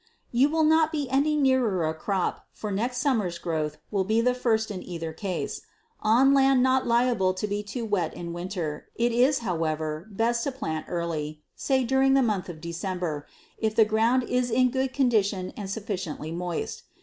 You will not be any nearer a crop, for next summer's growth will be the first in either case. On land not liable to be too wet in winter, it is, however, best to plant early, say during the month of December, if the ground is in good condition and sufficiently moist.